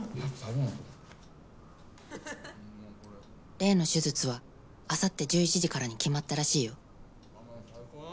「例の手術は明後日１１時からに決まったらしいよ」。